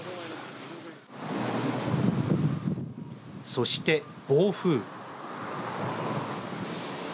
そして、暴風。